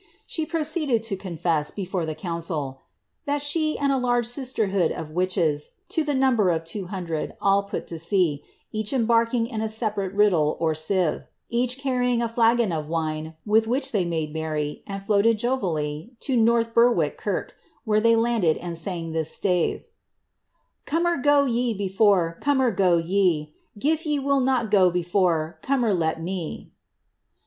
She proceeded to confess, before the council, ^ that she and a large sisterhood of witches, to the number of two hundred, all put to sea, each embarking in a separate riddle or sieve," each carrying a flagon of wine with which tliey made merry, and floated jovially to North Berwick kirk, where they landed and sang this stave— •* Cummer go ye before I Cummer go ye ! Gif ye will not go before. Cummer let me."